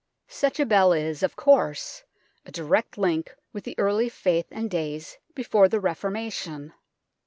Such a bell is, of course, a direct link with the early faith and days before the Reformation.